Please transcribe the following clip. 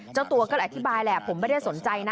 เจ้าตัวก็อธิบายแหละผมไม่ได้สนใจนะ